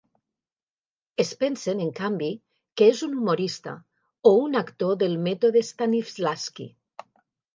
Es pensen, en canvi, que és un humorista, o un actor del mètode Stanislavski.